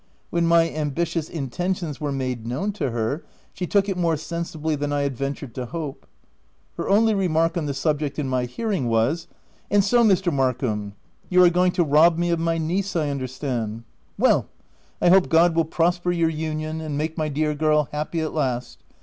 When my ambitious intentions were made known to her, she took it more sensibly than I had ventured to hope. Her only remark on the subject, in my hearing, was — "And so Mr. Markham, you are going to rob me of my niece I understand. Well ! I hope OF WILDFELL HALL. 339 God will prosper your union, and make my dear girl happy at last.